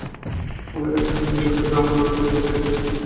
অনেকে তাহারা বিন্দুকে জন্মাইতে দেখিয়াছে।